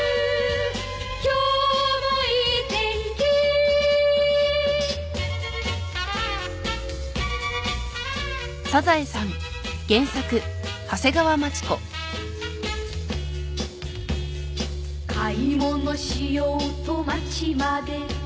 「今日もいい天気」「買い物しようと街まで」